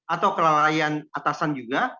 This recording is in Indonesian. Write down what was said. atau kelalaian atasan juga